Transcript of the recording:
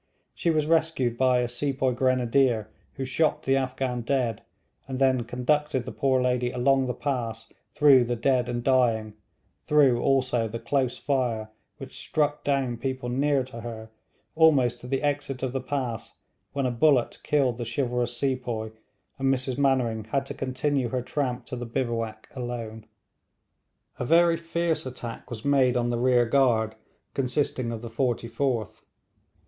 She was rescued by a sepoy grenadier, who shot the Afghan dead, and then conducted the poor lady along the pass through the dead and dying, through, also, the close fire which struck down people near to her, almost to the exit of the pass, when a bullet killed the chivalrous sepoy, and Mrs Mainwaring had to continue her tramp to the bivouac alone. A very fierce attack was made on the rear guard, consisting of the 44th.